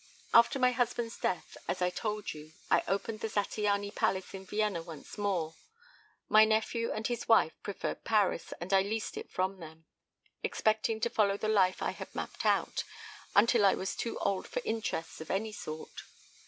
"After my husband's death, as I told you, I opened the Zattiany palace in Vienna once more (my nephew and his wife preferred Paris, and I leased it from them), expecting to follow the life I had mapped out, until I was too old for interests of any sort.